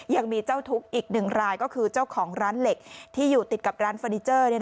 ยังมีเจ้าทุกข์อีกหนึ่งรายก็คือเจ้าของร้านเหล็กที่อยู่ติดกับร้านเฟอร์นิเจอร์